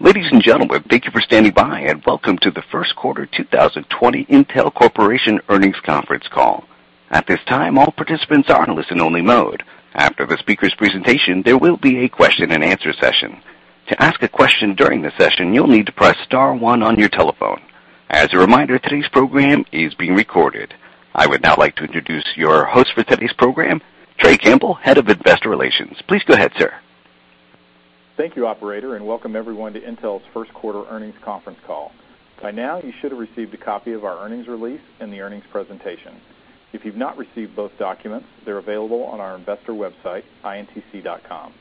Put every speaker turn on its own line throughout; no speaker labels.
Ladies and gentlemen, thank you for standing by, and welcome to the Q1 2020 Intel Corporation Earnings Conference Call. At this time, all participants are in listen only mode. After the speaker's presentation, there will be a question and answer session. To ask a question during the session, you'll need to press star one on your telephone. As a reminder, today's program is being recorded. I would now like to introduce your host for today's program, Trey Campbell, Head of Investor Relations. Please go ahead, sir.
Thank you, operator, and welcome everyone to Intel's Q1 Earnings Conference Call. By now, you should have received a copy of our earnings release and the earnings presentation. If you've not received both documents, they're available on our investor website, intc.com.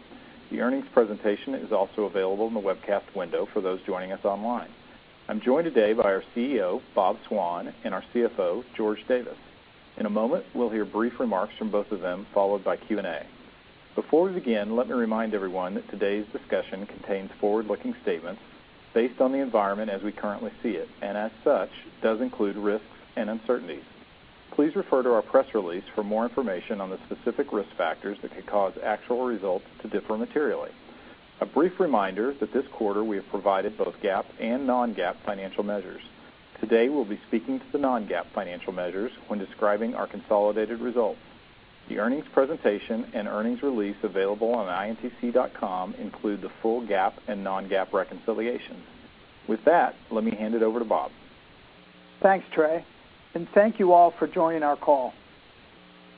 The earnings presentation is also available in the webcast window for those joining us online. I'm joined today by our CEO, Bob Swan, and our CFO, George Davis. In a moment, we'll hear brief remarks from both of them, followed by Q&A. Before we begin, let me remind everyone that today's discussion contains forward-looking statements based on the environment as we currently see it, and as such, does include risks and uncertainties. Please refer to our press release for more information on the specific risk factors that could cause actual results to differ materially. A brief reminder that this quarter we have provided both GAAP and non-GAAP financial measures. Today we'll be speaking to the non-GAAP financial measures when describing our consolidated results. The earnings presentation and earnings release available on intc.com include the full GAAP and non-GAAP reconciliations. With that, let me hand it over to Bob.
Thanks, Trey, and thank you all for joining our call.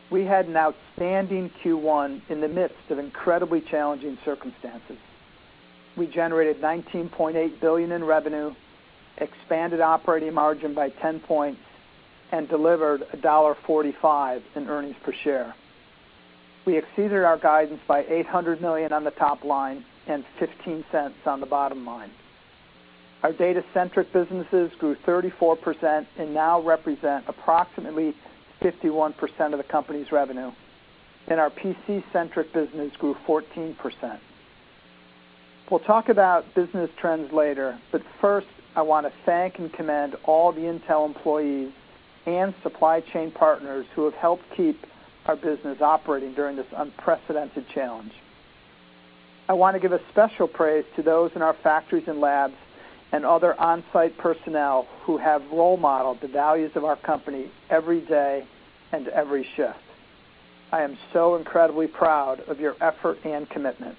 We had an outstanding Q1 in the midst of incredibly challenging circumstances. We generated $19.8 billion in revenue, expanded operating margin by 10 points, and delivered $1.45 in earnings per share. We exceeded our guidance by $800 million on the top line and $0.15 on the bottom line. Our data-centric businesses grew 34% and now represent approximately 51% of the company's revenue. Our PC-centric business grew 14%. We'll talk about business trends later, but first, I want to thank and commend all the Intel employees and supply chain partners who have helped keep our business operating during this unprecedented challenge. I want to give a special praise to those in our factories and labs and other on-site personnel who have role modeled the values of our company every day and every shift. I am so incredibly proud of your effort and commitment.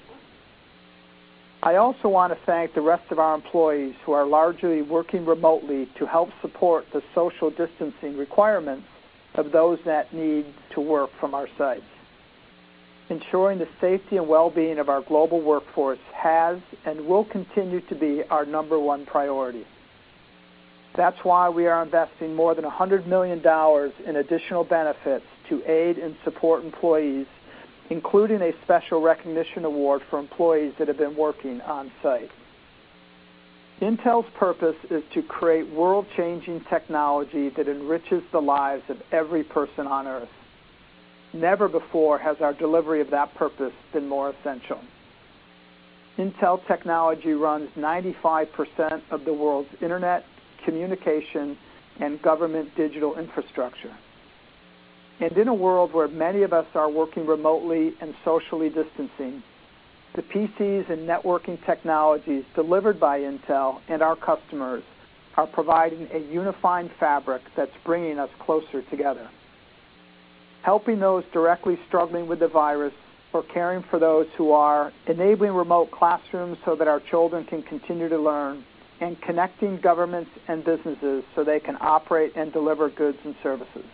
I also want to thank the rest of our employees who are largely working remotely to help support the social distancing requirements of those that need to work from our sites. Ensuring the safety and well-being of our global workforce has and will continue to be our number one priority. That's why we are investing more than $100 million in additional benefits to aid and support employees, including a special recognition award for employees that have been working on-site. Intel's purpose is to create world-changing technology that enriches the lives of every person on Earth. Never before has our delivery of that purpose been more essential. Intel technology runs 95% of the world's internet, communication, and government digital infrastructure. In a world where many of us are working remotely and socially distancing, the PCs and networking technologies delivered by Intel and our customers are providing a unifying fabric that's bringing us closer together. Helping those directly struggling with the virus or caring for those who are enabling remote classrooms so that our children can continue to learn, and connecting governments and businesses so they can operate and deliver goods and services.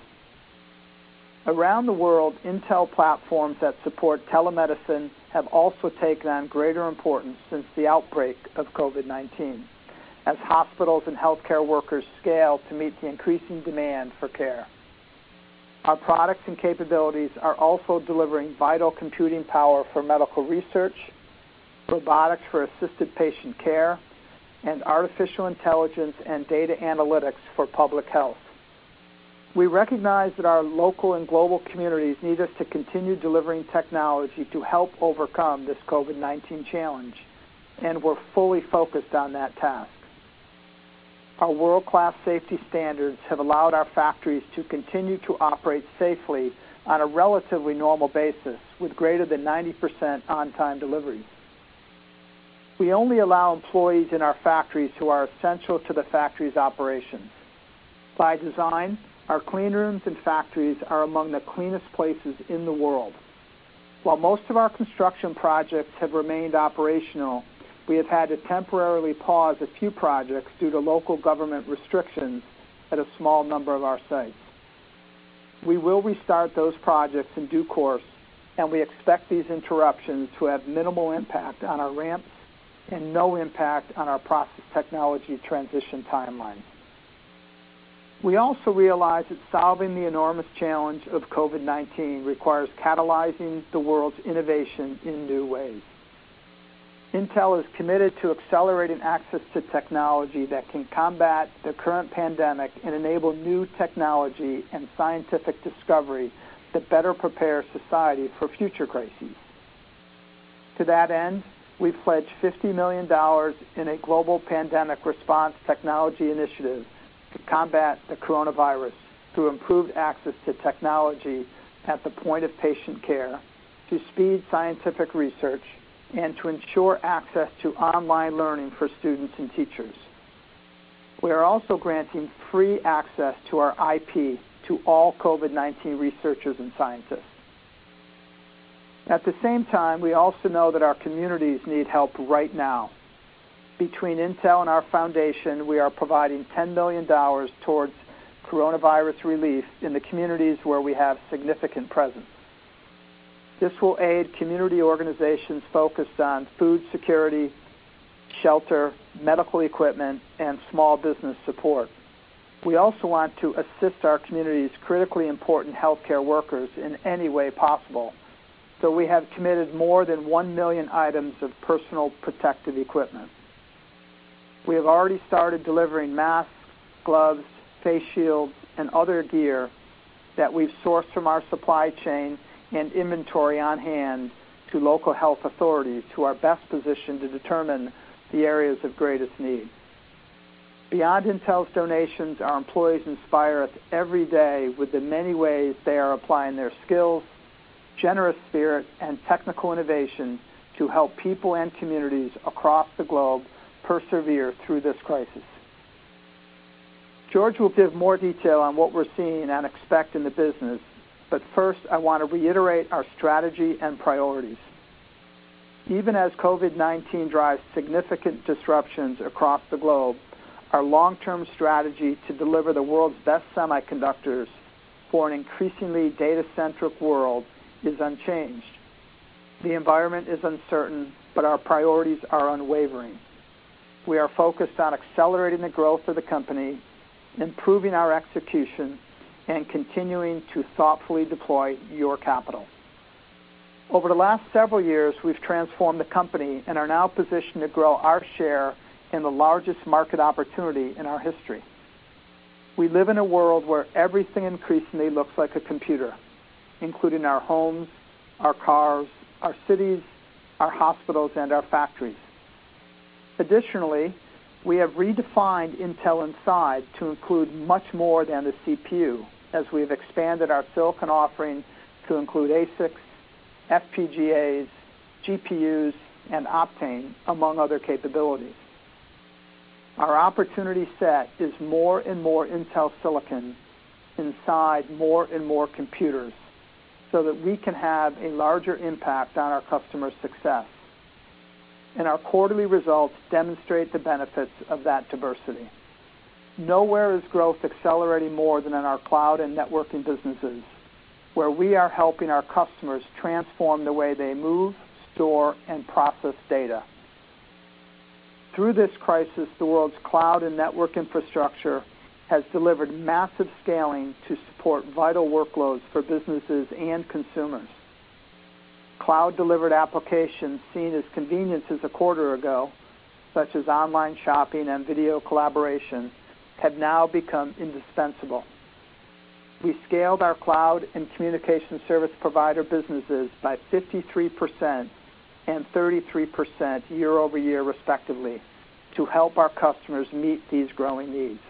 Around the world, Intel platforms that support telemedicine have also taken on greater importance since the outbreak of COVID-19, as hospitals and healthcare workers scale to meet the increasing demand for care. Our products and capabilities are also delivering vital computing power for medical research, robotics for assisted patient care, and artificial intelligence and data analytics for public health. We recognize that our local and global communities need us to continue delivering technology to help overcome this COVID-19 challenge, and we're fully focused on that task. Our world-class safety standards have allowed our factories to continue to operate safely on a relatively normal basis with greater than 90% on-time delivery. We only allow employees in our factories who are essential to the factory's operations. By design, our clean rooms and factories are among the cleanest places in the world. While most of our construction projects have remained operational, we have had to temporarily pause a few projects due to local government restrictions at a small number of our sites. We will restart those projects in due course, and we expect these interruptions to have minimal impact on our ramps and no impact on our process technology transition timelines. We also realize that solving the enormous challenge of COVID-19 requires catalyzing the world's innovation in new ways. Intel is committed to accelerating access to technology that can combat the current pandemic and enable new technology and scientific discovery that better prepare society for future crises. To that end, we pledge $50 million in a global pandemic response technology initiative. To combat the coronavirus, through improved access to technology at the point of patient care, to speed scientific research, and to ensure access to online learning for students and teachers. We are also granting free access to our IP to all COVID-19 researchers and scientists. At the same time, we also know that our communities need help right now. Between Intel and our foundation, we are providing $10 million towards coronavirus relief in the communities where we have significant presence. This will aid community organizations focused on food security, shelter, medical equipment, and small business support. We also want to assist our community's critically important healthcare workers in any way possible. We have committed more than 1 million items of personal protective equipment. We have already started delivering masks, gloves, face shields, and other gear that we've sourced from our supply chain and inventory on hand to local health authorities who are best positioned to determine the areas of greatest need. Beyond Intel's donations, our employees inspire us every day with the many ways they are applying their skills, generous spirit, and technical innovation to help people and communities across the globe persevere through this crisis. George will give more detail on what we're seeing and expect in the business, first, I want to reiterate our strategy and priorities. Even as COVID-19 drives significant disruptions across the globe, our long-term strategy to deliver the world's best semiconductors for an increasingly data-centric world is unchanged. The environment is uncertain, our priorities are unwavering. We are focused on accelerating the growth of the company, improving our execution, and continuing to thoughtfully deploy your capital. Over the last several years, we've transformed the company and are now positioned to grow our share in the largest market opportunity in our history. We live in a world where everything increasingly looks like a computer, including our homes, our cars, our cities, our hospitals, and our factories. Additionally, we have redefined Intel Inside to include much more than a CPU as we've expanded our silicon offering to include ASICs, FPGAs, GPUs, and Optane, among other capabilities. Our opportunity set is more and more Intel silicon inside more and more computers so that we can have a larger impact on our customers' success. Our quarterly results demonstrate the benefits of that diversity. Nowhere is growth accelerating more than in our cloud and networking businesses, where we are helping our customers transform the way they move, store, and process data. Through this crisis, the world's cloud and network infrastructure has delivered massive scaling to support vital workloads for businesses and consumers. Cloud-delivered applications seen as conveniences a quarter ago, such as online shopping and video collaboration, have now become indispensable. We scaled our cloud and communication service provider businesses by 53% and 33% year over year, respectively, to help our customers meet these growing needs.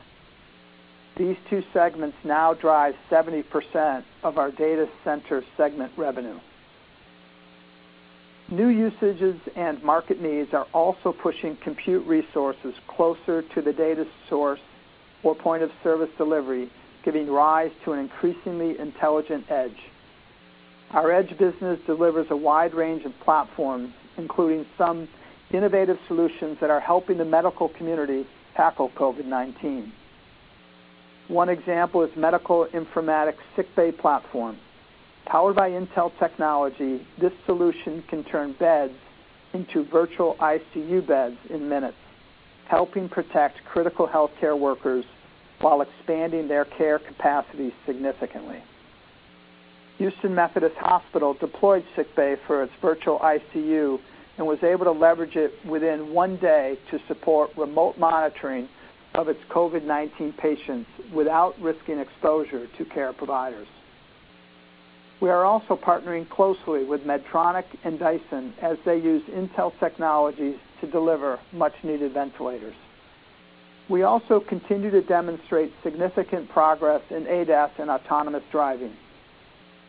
These two segments now drive 70% of our data center segment revenue. New usages and market needs are also pushing compute resources closer to the data source or point of service delivery, giving rise to an increasingly intelligent edge. Our edge business delivers a wide range of platforms, including some innovative solutions that are helping the medical community tackle COVID-19. One example is Medical Informatics' Sickbay platform. Powered by Intel technology, this solution can turn beds into virtual ICU beds in minutes, helping protect critical healthcare workers while expanding their care capacity significantly. Houston Methodist Hospital deployed Sickbay for its virtual ICU and was able to leverage it within one day to support remote monitoring of its COVID-19 patients without risking exposure to care providers. We are also partnering closely with Medtronic and Dyson as they use Intel technologies to deliver much needed ventilators. We also continue to demonstrate significant progress in ADAS and autonomous driving.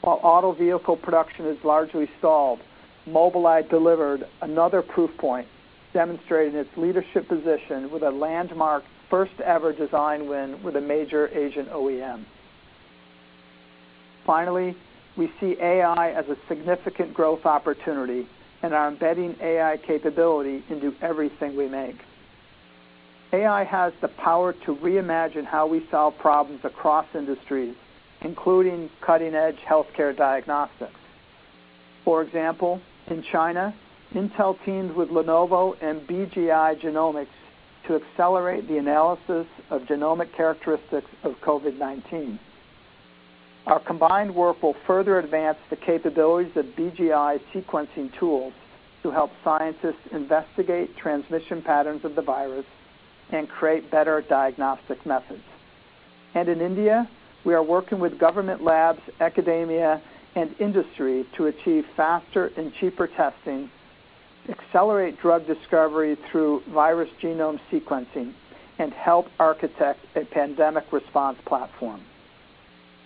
While auto vehicle production is largely stalled, Mobileye delivered another proof point demonstrating its leadership position with a landmark first-ever design win with a major Asian OEM. We see AI as a significant growth opportunity and are embedding AI capability into everything we make. AI has the power to reimagine how we solve problems across industries, including cutting-edge healthcare diagnostics. For example, in China, Intel teamed with Lenovo and BGI Genomics to accelerate the analysis of genomic characteristics of COVID-19. Our combined work will further advance the capabilities of BGI's sequencing tools to help scientists investigate transmission patterns of the virus and create better diagnostic methods. In India, we are working with government labs, academia, and industry to achieve faster and cheaper testing, accelerate drug discovery through virus genome sequencing and help architect a pandemic response platform.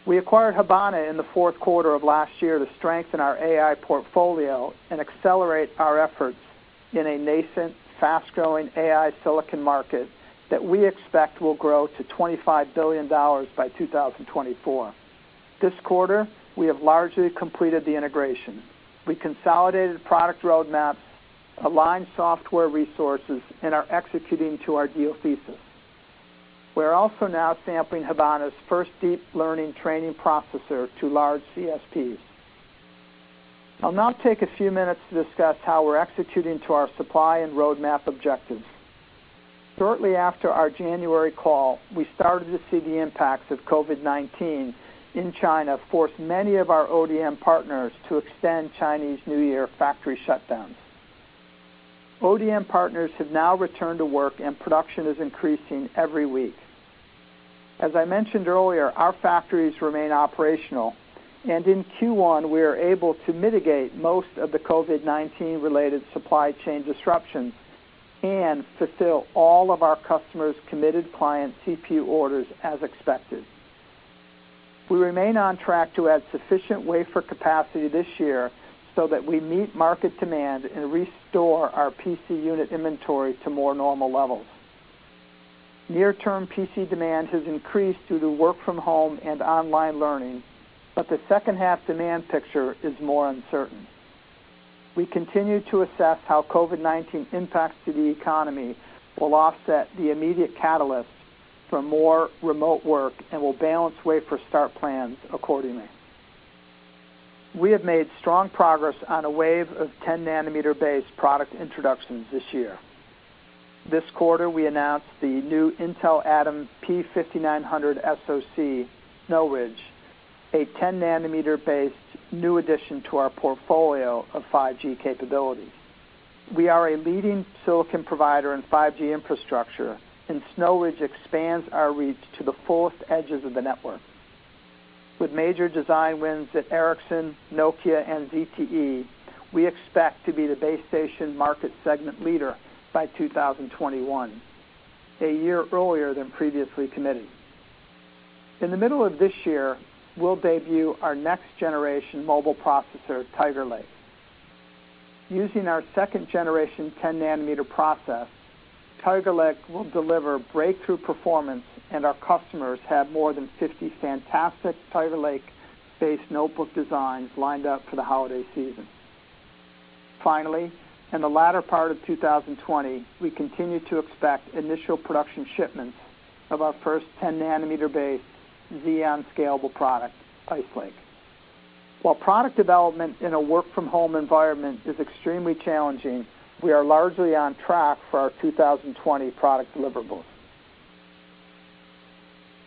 We acquired Habana in the Q4 of last year to strengthen our AI portfolio and accelerate our efforts in a nascent, fast-growing AI silicon market that we expect will grow to $25 billion by 2024. This quarter, we have largely completed the integration. We consolidated product roadmaps, aligned software resources, and are executing to our deal thesis. We're also now sampling Habana's first deep learning training processor to large CSPs. I'll now take a few minutes to discuss how we're executing to our supply and roadmap objectives. Shortly after our January call, we started to see the impacts of COVID-19 in China force many of our ODM partners to extend Chinese New Year factory shutdowns. ODM partners have now returned to work, and production is increasing every week. As I mentioned earlier, our factories remain operational, and in Q1, we are able to mitigate most of the COVID-19 related supply chain disruptions and fulfill all of our customers' committed client CPU orders as expected. We remain on track to add sufficient wafer capacity this year so that we meet market demand and restore our PC unit inventory to more normal levels. Near-term PC demand has increased due to work from home and online learning, but the second half demand picture is more uncertain. We continue to assess how COVID-19 impacts to the economy will offset the immediate catalysts for more remote work and will balance wafer start plans accordingly. We have made strong progress on a wave of 10 nanometer base product introductions this year. This quarter, we announced the new Intel Atom P5900 SoC, Snow Ridge, a 10 nanometer-based new addition to our portfolio of 5G capabilities. We are a leading silicon provider in 5G infrastructure, and Snow Ridge expands our reach to the furthest edges of the network. With major design wins at Ericsson, Nokia, and ZTE, we expect to be the base station market segment leader by 2021, a year earlier than previously committed. In the middle of this year, we'll debut our next generation mobile processor, Tiger Lake. Using our second generation 10 nanometer process, Tiger Lake will deliver breakthrough performance, and our customers have more than 50 fantastic Tiger Lake-based notebook designs lined up for the holiday season. Finally, in the latter part of 2020, we continue to expect initial production shipments of our first 10 nanometer base Xeon scalable product, Ice Lake. While product development in a work from home environment is extremely challenging, we are largely on track for our 2020 product deliverables.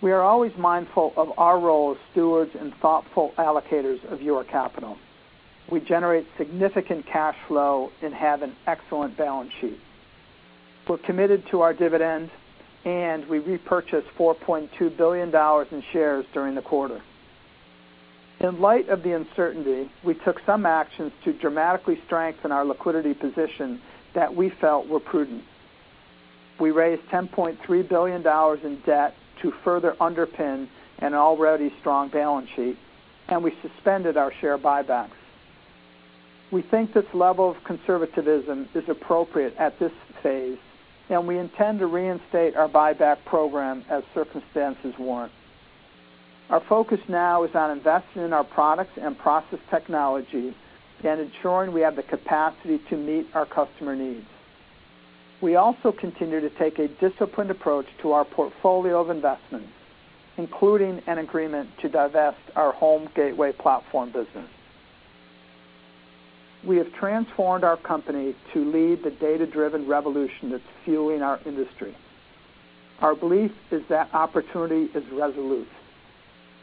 We are always mindful of our role as stewards and thoughtful allocators of your capital. We generate significant cash flow and have an excellent balance sheet. We're committed to our dividend, and we repurchased $4.2 billion in shares during the quarter. In light of the uncertainty, we took some actions to dramatically strengthen our liquidity position that we felt were prudent. We raised $10.3 billion in debt to further underpin an already strong balance sheet, and we suspended our share buybacks. We think this level of conservatism is appropriate at this phase, and we intend to reinstate our buyback program as circumstances warrant. Our focus now is on investing in our products and process technology and ensuring we have the capacity to meet our customer needs. We also continue to take a disciplined approach to our portfolio of investments, including an agreement to divest our home gateway platform business. We have transformed our company to lead the data-driven revolution that's fueling our industry. Our belief is that opportunity is resolute.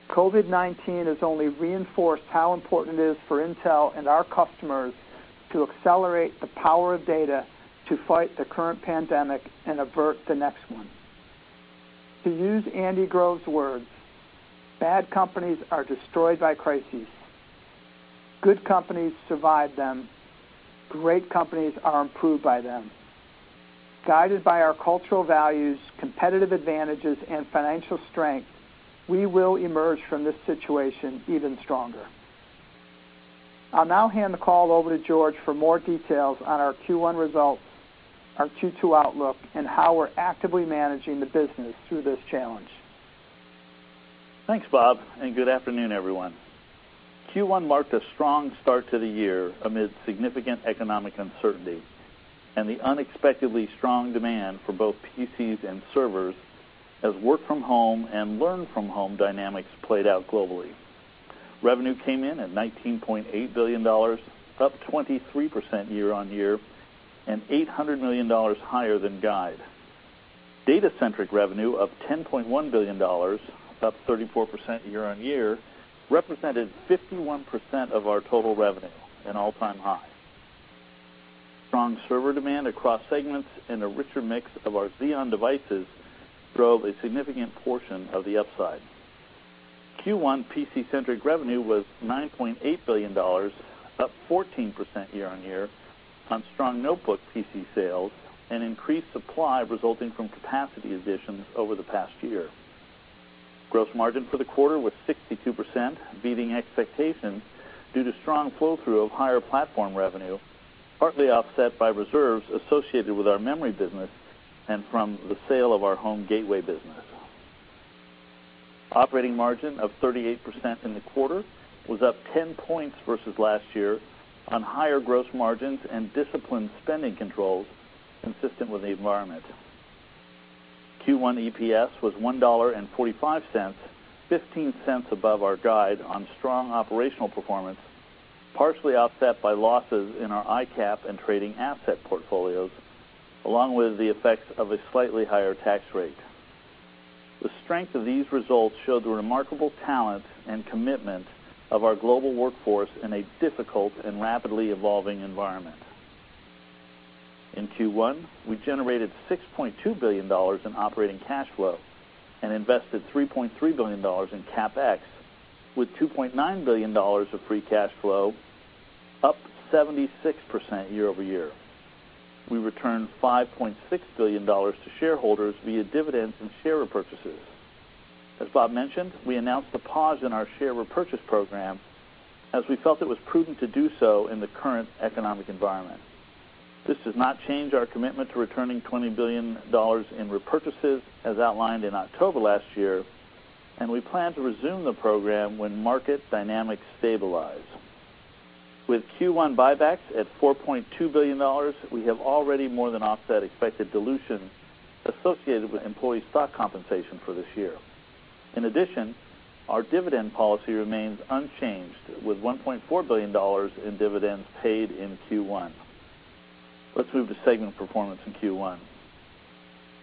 COVID-19 has only reinforced how important it is for Intel and our customers to accelerate the power of data to fight the current pandemic and avert the next one. To use Andy Grove's words, "Bad companies are destroyed by crises. Good companies survive them. Great companies are improved by them." Guided by our cultural values, competitive advantages, and financial strength, we will emerge from this situation even stronger. I'll now hand the call over to George for more details on our Q1 results, our Q2 outlook, and how we're actively managing the business through this challenge.
Thanks, Bob, and good afternoon, everyone. Q1 marked a strong start to the year amid significant economic uncertainty and the unexpectedly strong demand for both PCs and servers as work from home and learn from home dynamics played out globally. Revenue came in at $19.8 billion, up 23% year-on-year, and $800 million higher than guide. Data centric revenue of $10.1 billion, up 34% year-on-year, represented 51% of our total revenue, an all-time high. Strong server demand across segments and a richer mix of our Xeon devices drove a significant portion of the upside. Q1 PC-centric revenue was $9.8 billion, up 14% year-on-year on strong notebook PC sales and increased supply resulting from capacity additions over the past year. Gross margin for the quarter was 62%, beating expectations due to strong flow-through of higher platform revenue, partly offset by reserves associated with our memory business and from the sale of our home gateway business. Operating margin of 38% in the quarter was up 10 points versus last year on higher gross margins and disciplined spending controls consistent with the environment. Q1 EPS was $1.45, $0.15 above our guide on strong operational performance, partially offset by losses in our ICAP and trading asset portfolios, along with the effects of a slightly higher tax rate. The strength of these results show the remarkable talent and commitment of our global workforce in a difficult and rapidly evolving environment. In Q1, we generated $6.2 billion in operating cash flow and invested $3.3 billion in CapEx, with $2.9 billion of free cash flow, up 76% year-over-year. We returned $5.6 billion to shareholders via dividends and share repurchases. As Bob mentioned, we announced a pause in our share repurchase program as we felt it was prudent to do so in the current economic environment. This does not change our commitment to returning $20 billion in repurchases as outlined in October last year, and we plan to resume the program when market dynamics stabilize. With Q1 buybacks at $4.2 billion, we have already more than offset expected dilution associated with employee stock compensation for this year. In addition, our dividend policy remains unchanged, with $1.4 billion in dividends paid in Q1. Let's move to segment performance in Q1.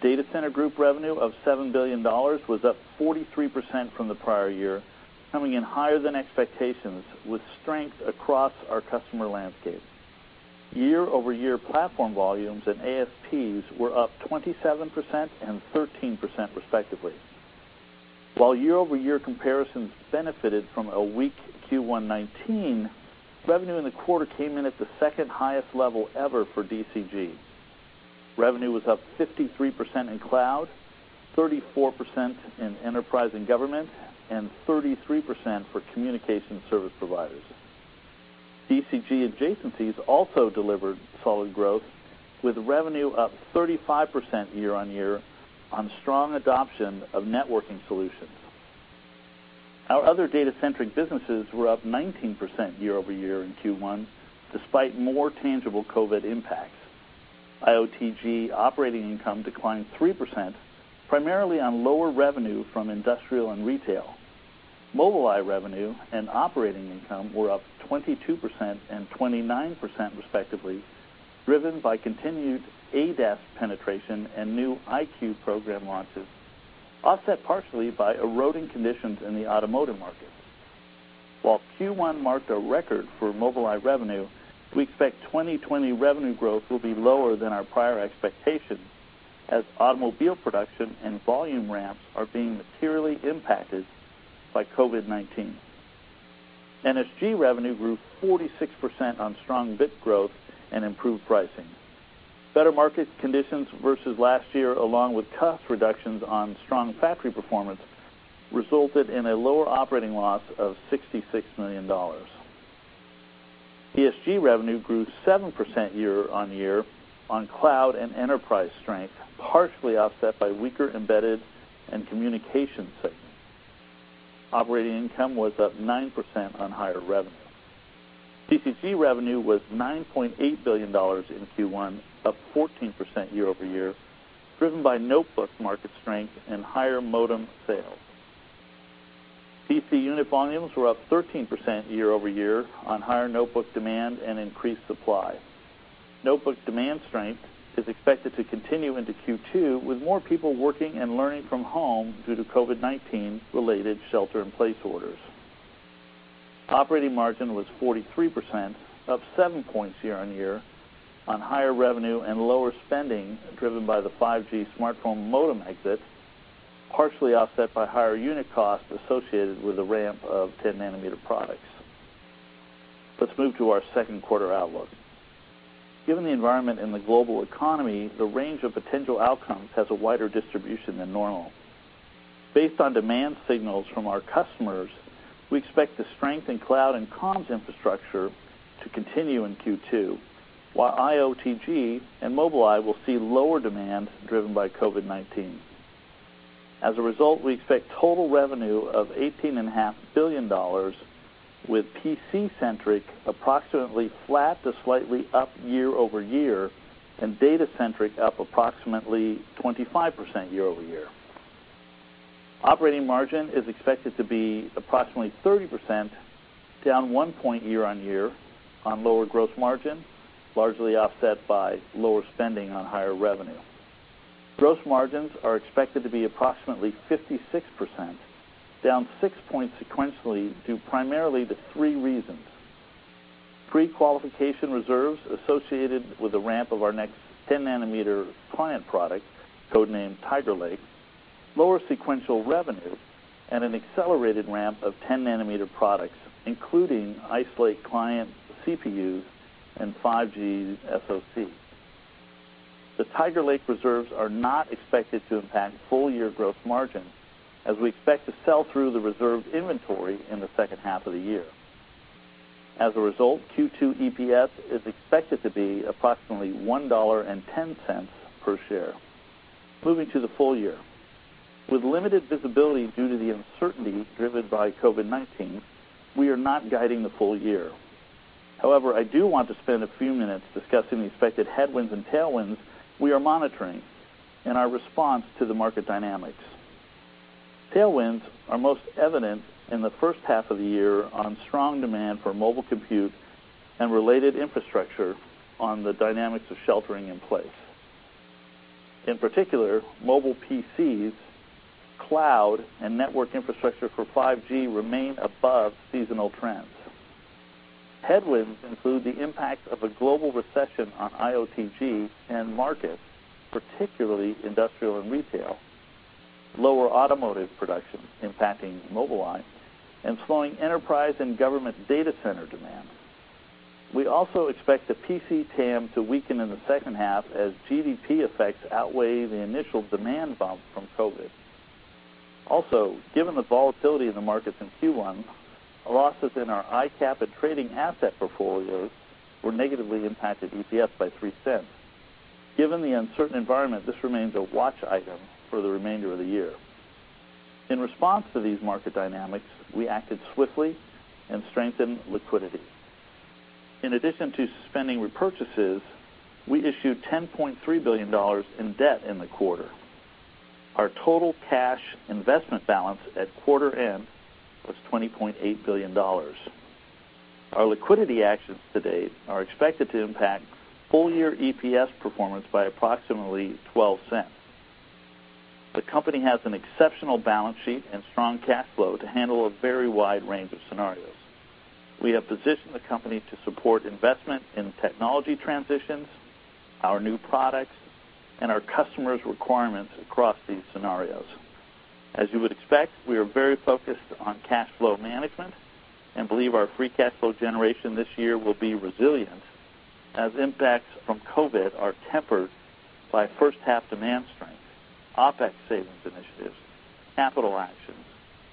Data Center Group revenue of $7 billion was up 43% from the prior year, coming in higher than expectations, with strength across our customer landscape. year-over-year platform volumes and ASPs were up 27% and 13%, respectively. While year-over-year comparisons benefited from a weak Q1 2019, revenue in the quarter came in at the second-highest level ever for DCG. Revenue was up 53% in Cloud, 34% in Enterprise and Government, and 33% for Communication Service Providers. DCG adjacencies also delivered solid growth, with revenue up 35% year-on-year on strong adoption of networking solutions. Our other data-centric businesses were up 19% year-over-year in Q1, despite more tangible COVID-19 impacts. IOTG operating income declined 3%, primarily on lower revenue from industrial and retail. Mobileye revenue and operating income were up 22% and 29% respectively, driven by continued ADAS penetration and new EyeQ program launches, offset partially by eroding conditions in the automotive market. While Q1 marked a record for Mobileye revenue, we expect 2020 revenue growth will be lower than our prior expectations as automobile production and volume ramps are being materially impacted by COVID-19. NSG revenue grew 46% on strong bit growth and improved pricing. Better market conditions versus last year, along with cost reductions on strong factory performance, resulted in a lower operating loss of $66 million. PSG revenue grew 7% year-on-year on cloud and enterprise strength, partially offset by weaker embedded and communication segments. Operating income was up 9% on higher revenue. CCG revenue was $9.8 billion in Q1, up 14% year-over-year, driven by notebook market strength and higher modem sales. PC unit volumes were up 13% year-over-year on higher notebook demand and increased supply. Notebook demand strength is expected to continue into Q2, with more people working and learning from home due to COVID-19-related shelter-in-place orders. Operating margin was 43%, up seven points year-on-year, on higher revenue and lower spending driven by the 5G smartphone modem exit, partially offset by higher unit costs associated with the ramp of 10-nanometer products. Let's move to our Q2 outlook. Given the environment in the global economy, the range of potential outcomes has a wider distribution than normal. Based on demand signals from our customers, we expect the strength in cloud and comms infrastructure to continue in Q2, while IOTG and Mobileye will see lower demand driven by COVID-19. As a result, we expect total revenue of $18.5 billion, with PC-centric approximately flat to slightly up year-over-year, and data-centric up approximately 25% year-over-year. Operating margin is expected to be approximately 30%, down one point year-on-year on lower gross margin, largely offset by lower spending on higher revenue. Gross margins are expected to be approximately 56%, down six points sequentially, due primarily to three reasons, Pre-qualification reserves associated with the ramp of our next 10-nanometer client product, code-named Tiger Lake, lower sequential revenue, and an accelerated ramp of 10-nanometer products, including Ice Lake client CPUs and 5G SoC. The Tiger Lake reserves are not expected to impact full-year gross margin, as we expect to sell through the reserved inventory in the second half of the year. As a result, Q2 EPS is expected to be approximately $1.10 per share. Moving to the full year, with limited visibility due to the uncertainty driven by COVID-19, we are not guiding the full year. However, I do want to spend a few minutes discussing the expected headwinds and tailwinds we are monitoring and our response to the market dynamics. Tailwinds are most evident in the first half of the year on strong demand for mobile compute and related infrastructure on the dynamics of sheltering in place. In particular, mobile PCs, cloud, and network infrastructure for 5G remain above seasonal trends. Headwinds include the impact of a global recession on IoTG end markets, particularly industrial and retail, lower automotive production impacting Mobileye, and slowing enterprise and government data center demand. We also expect the PC TAM to weaken in the second half as GDP effects outweigh the initial demand bump from COVID. Given the volatility in the markets in Q1, losses in our ICAP and trading asset portfolios negatively impacted EPS by $0.03. Given the uncertain environment, this remains a watch item for the remainder of the year. In response to these market dynamics, we acted swiftly and strengthened liquidity. In addition to suspending repurchases, we issued $10.3 billion in debt in the quarter. Our total cash investment balance at quarter end was $20.8 billion. Our liquidity actions to date are expected to impact full-year EPS performance by approximately $0.12. The company has an exceptional balance sheet and strong cash flow to handle a very wide range of scenarios. We have positioned the company to support investment in technology transitions, our new products, and our customers' requirements across these scenarios. As you would expect, we are very focused on cash flow management and believe our free cash flow generation this year will be resilient as impacts from COVID-19 are tempered by first-half demand strength, OpEx savings initiatives, capital actions,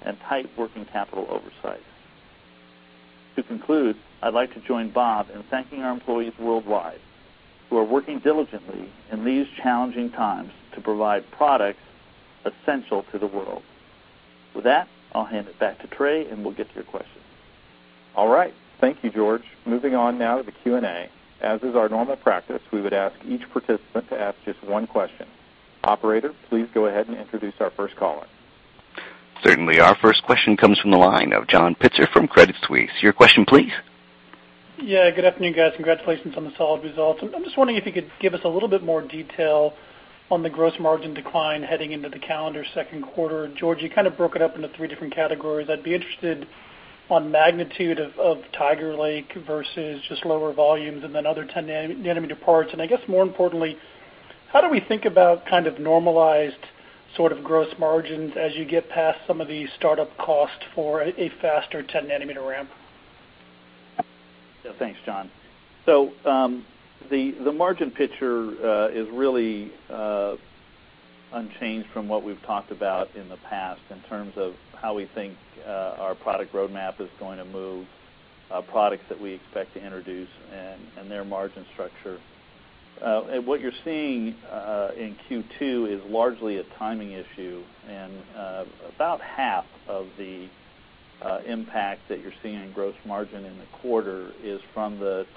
and tight working capital oversight. To conclude, I'd like to join Bob in thanking our employees worldwide, who are working diligently in these challenging times to provide products essential to the world. With that, I'll hand it back to Trey, and we'll get to your questions.
All right. Thank you, George. Moving on now to the Q&A. As is our normal practice, we would ask each participant to ask just one question. Operator, please go ahead and introduce our first caller.
Certainly. Our first question comes from the line of John Pitzer from Credit Suisse. Your question, please.
Yeah. Good afternoon, guys. Congratulations on the solid results. I'm just wondering if you could give us a little bit more detail on the gross margin decline heading into the calendar Q2. George, you kind of broke it up into three different categories. I'd be interested on magnitude of Tiger Lake versus just lower volumes and then other 10 nanometer parts. I guess more importantly, how do we think about kind of normalized sort of gross margins as you get past some of the startup costs for a faster 10 nanometer ramp?
Thanks, John. The margin picture is really unchanged from what we've talked about in the past in terms of how we think our product roadmap is going to move, products that we expect to introduce, and their margin structure. What you're seeing in Q2 is largely a timing issue. About half of the impact that you're seeing in gross margin in the quarter is from the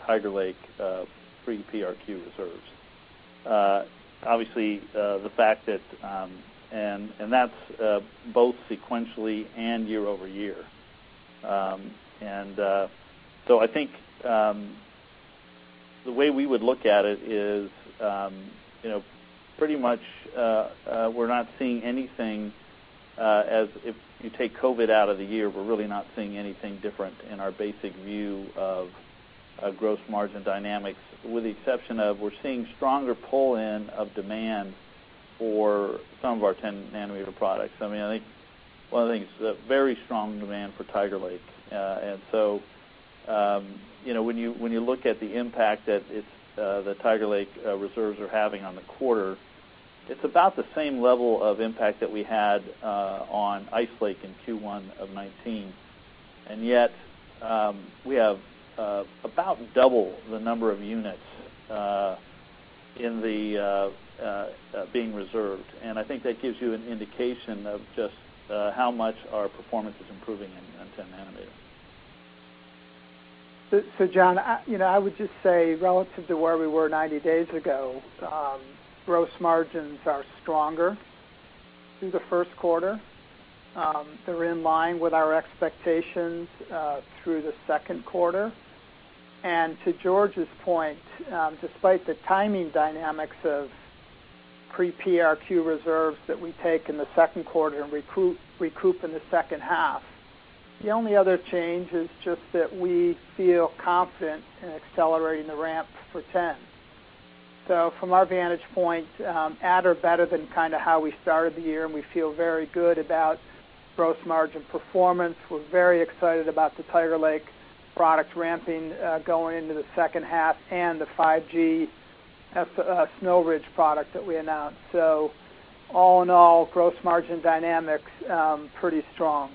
Tiger Lake pre-PRQ reserves. Obviously, that's both sequentially and year-over-year. I think the way we would look at it is pretty much, we're not seeing anything If you take COVID out of the year, we're really not seeing anything different in our basic view of gross margin dynamics, with the exception of we're seeing stronger pull-in of demand for some of our 10-nanometer products. I think it's a very strong demand for Tiger Lake. When you look at the impact that Tiger Lake reserves are having on the quarter, it's about the same level of impact that we had on Ice Lake in Q1 of 2019. We have about double the number of units being reserved. I think that gives you an indication of just how much our performance is improving in 10-nanometer.
John, I would just say relative to where we were 90 days ago, gross margins are stronger through the first quarter. They're in line with our expectations through the second quarter. To George's point, despite the timing dynamics of Pre-PRQ reserves that we take in the Q2 and recoup in the second half. The only other change is just that we feel confident in accelerating the ramp for 10. From our vantage point, at or better than kind of how we started the year, and we feel very good about gross margin performance. We're very excited about the Tiger Lake product ramping, going into the second half and the 5G Snow Ridge product that we announced. All in all, gross margin dynamics, pretty strong.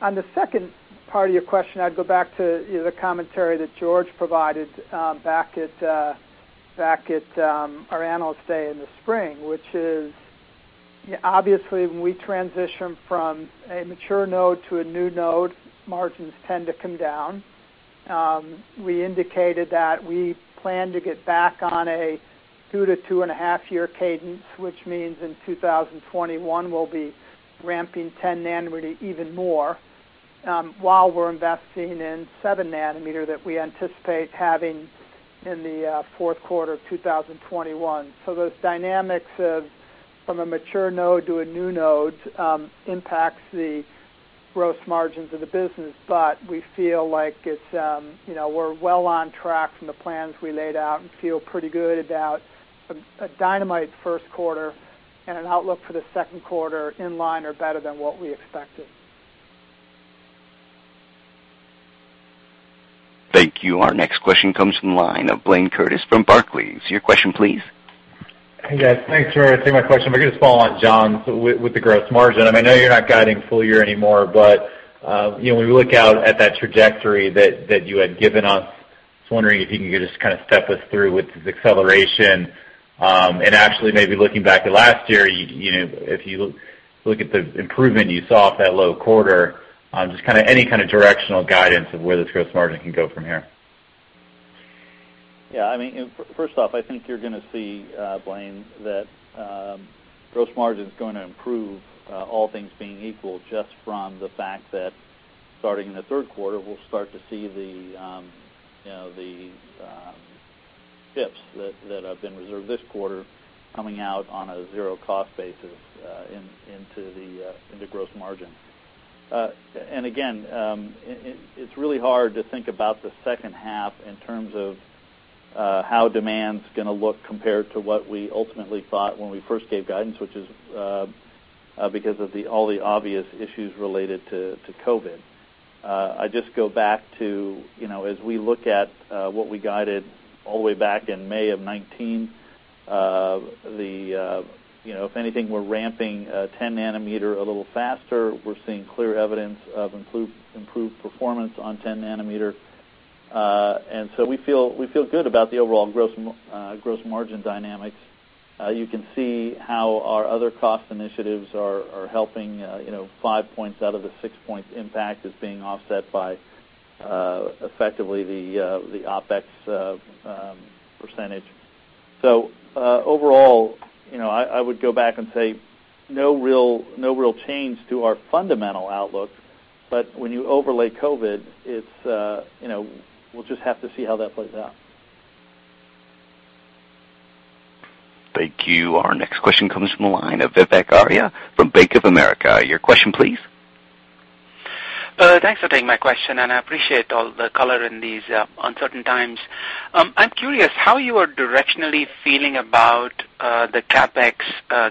On the second part of your question, I'd go back to the commentary that George provided back at our Analyst Day in the spring, which is, obviously, when we transition from a mature node to a new node, margins tend to come down. We indicated that we plan to get back on a two to two and a half year cadence, which means in 2021, we'll be ramping 10 nanometer even more, while we're investing in 7 nanometer that we anticipate having in the Q4 of 2021. Those dynamics of from a mature node to a new node, impacts the gross margins of the business, but we feel like we're well on track from the plans we laid out and feel pretty good about a dynamite first quarter and an outlook for the second quarter in line or better than what we expected.
Thank you. Our next question comes from the line of Blayne Curtis from Barclays. Your question, please.
Hey, guys. Thanks for taking my question. Maybe just to follow on John's with the gross margin. When we look out at that trajectory that you had given us, I was wondering if you could just kind of step us through with this acceleration, and actually maybe looking back at last year, if you look at the improvement you saw off that low quarter, just any kind of directional guidance of where this gross margin can go from here.
Yeah. First off, I think you're going to see, Blayne, that gross margin's going to improve, all things being equal, just from the fact that starting in the Q3, we'll start to see the dips that have been reserved this quarter coming out on a zero cost basis into gross margin. Again, it's really hard to think about the second half in terms of how demand's going to look compared to what we ultimately thought when we first gave guidance, which is because of all the obvious issues related to COVID-19. I just go back to as we look at what we guided all the way back in May of 2019, if anything, we're ramping 10 nanometer a little faster. We're seeing clear evidence of improved performance on 10 nanometer. We feel good about the overall gross margin dynamics. You can see how our other cost initiatives are helping, five points out of the six-point impact is being offset by, effectively, the OpEx percentage. Overall, I would go back and say no real change to our fundamental outlook, but when you overlay COVID, we'll just have to see how that plays out.
Thank you. Our next question comes from the line of Vivek Arya from Bank of America. Your question, please.
Thanks for taking my question, and I appreciate all the color in these uncertain times. I'm curious how you are directionally feeling about the CapEx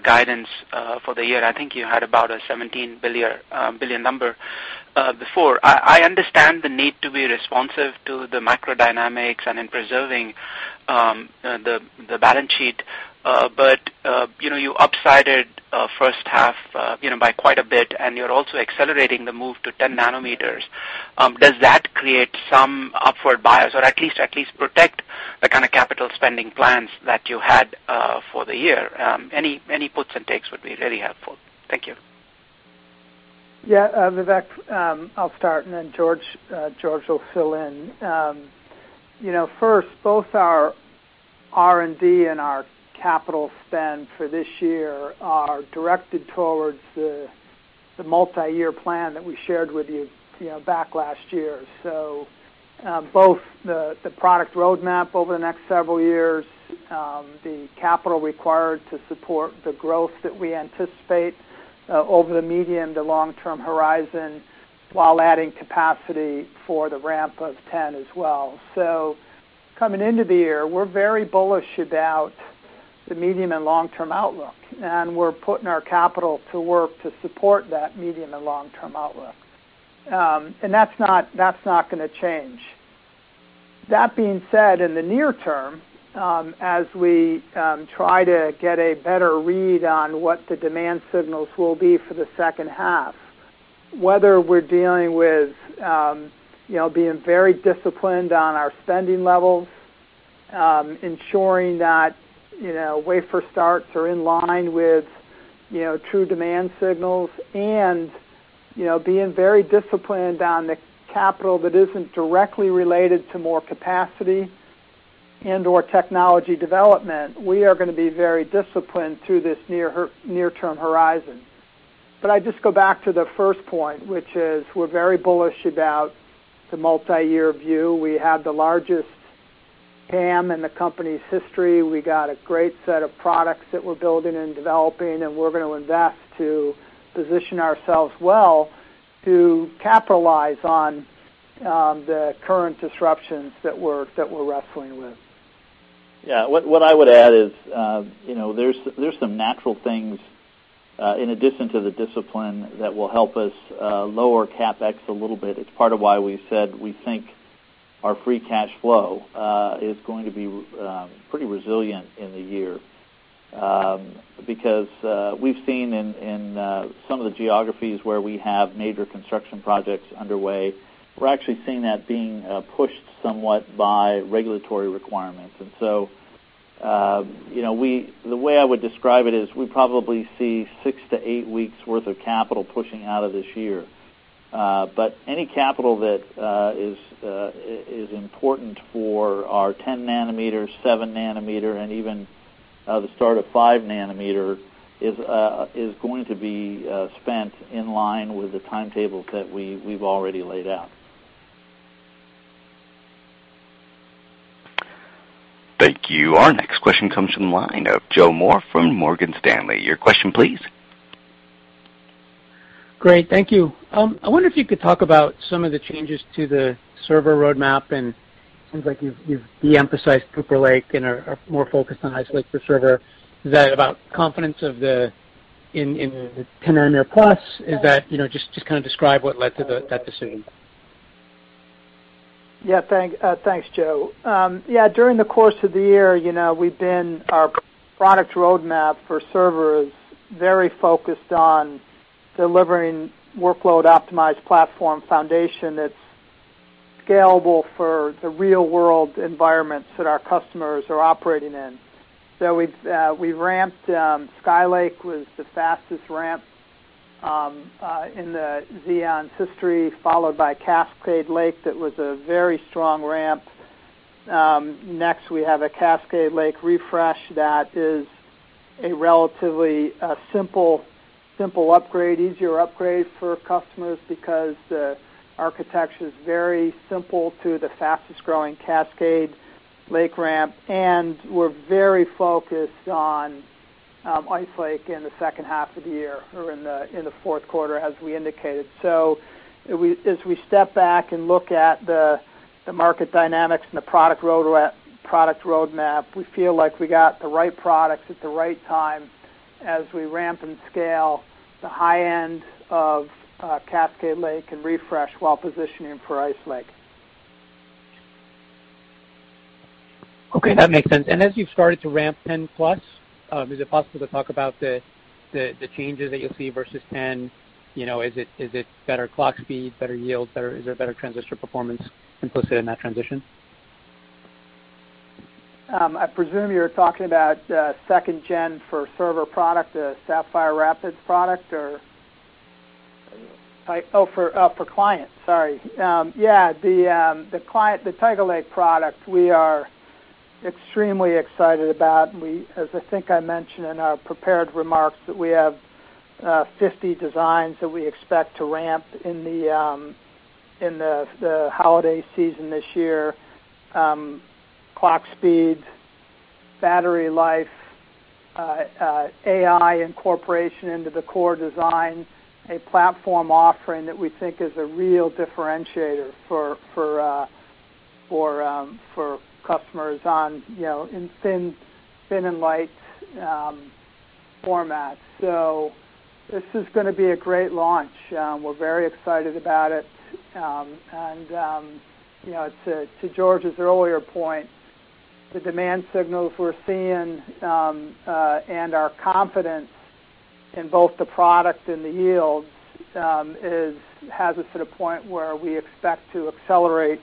guidance for the year. I think you had about a $17 billion number before. I understand the need to be responsive to the macro dynamics and in preserving the balance sheet, but you upsided first half by quite a bit, and you're also accelerating the move to 10 nanometer. Does that create some upward bias or at least protect the kind of capital spending plans that you had for the year? Any puts and takes would be really helpful. Thank you.
Yeah. Vivek, I'll start, and then George will fill in. First, both our R&D and our capital spend for this year are directed towards the multi-year plan that we shared with you back last year. Both the product roadmap over the next several years, the capital required to support the growth that we anticipate over the medium to long-term horizon, while adding capacity for the ramp of 10 as well. Coming into the year, we're very bullish about the medium and long-term outlook, and we're putting our capital to work to support that medium and long-term outlook. That's not going to change. That being said, in the near term, as we try to get a better read on what the demand signals will be for the second half, whether we're dealing with being very disciplined on our spending levels, ensuring that wafer starts are in line with true demand signals, and being very disciplined on the capital that isn't directly related to more capacity and/or technology development, we are going to be very disciplined through this near-term horizon. I'd just go back to the first point, which is we're very bullish about the multi-year view. We have the largest TAM in the company's history. We got a great set of products that we're building and developing, and we're going to invest to position ourselves well to capitalize on the current disruptions that we're wrestling with.
Yeah. What I would add is, there's some natural things in addition to the discipline that will help us lower CapEx a little bit. It's part of why we said we think our free cash flow is going to be pretty resilient in the year. We've seen in some of the geographies where we have major construction projects underway, we're actually seeing that being pushed somewhat by regulatory requirements. The way I would describe it is we probably see six to eight weeks worth of capital pushing out of this year. Any capital that is important for our 10 nanometer, 7 nanometer, and even the start of 5 nanometer is going to be spent in line with the timetables that we've already laid out.
Thank you. Our next question comes from the line of Joe Moore from Morgan Stanley. Your question, please.
Great. Thank you. I wonder if you could talk about some of the changes to the server roadmap, and it seems like you've de-emphasized Cooper Lake and are more focused on Ice Lake for server. Is that about confidence in the 10 nanometer-plus? Just describe what led to that decision.
Yeah. Thanks, Joe. During the course of the year, our product roadmap for server is very focused on delivering workload-optimized platform foundation that's scalable for the real-world environments that our customers are operating in. We ramped, Skylake was the fastest ramp in the Xeon history, followed by Cascade Lake. That was a very strong ramp. Next, we have a Cascade Lake refresh that is a relatively simple upgrade, easier upgrade for customers because the architecture is very simple to the fastest-growing Cascade Lake ramp, and we're very focused on Ice Lake in the H2 of the year or in the fourth quarter, as we indicated. As we step back and look at the market dynamics and the product roadmap, we feel like we got the right products at the right time as we ramp and scale the high end of Cascade Lake and refresh while positioning for Ice Lake.
Okay. That makes sense. As you've started to ramp 10-plus, is it possible to talk about the changes that you'll see versus 10? Is it better clock speed, better yields? Is there better transistor performance implicit in that transition?
I presume you're talking about 2nd-gen for server product, the Sapphire Rapids product, or Oh, for client. Sorry. Yeah. The Tiger Lake product, we are extremely excited about, and as I think I mentioned in our prepared remarks, that we have 50 designs that we expect to ramp in the holiday season this year. Clock speed, battery life, AI incorporation into the core design, a platform offering that we think is a real differentiator for customers in thin and light formats. This is going to be a great launch. We're very excited about it. To George's earlier point, the demand signals we're seeing, and our confidence in both the product and the yields, has us at a point where we expect to accelerate